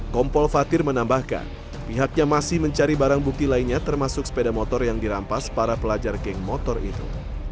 kompol fatir menambahkan pihaknya masih mencari barang bukti lainnya termasuk sepeda motor yang dirampas para pelajar geng motor itu